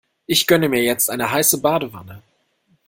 Ich gönne mir jetzt eine heiße Badewanne.